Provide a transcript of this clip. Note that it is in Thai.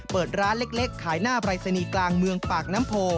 เปิดร้านเล็กขายหน้าปรายศนีย์กลางเมืองปากน้ำโพ